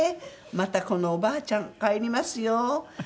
またこのおばあちゃん帰りますよ。